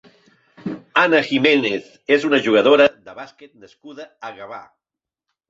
Ana Jiménez és una jugadora de bàsquet nascuda a Gavà.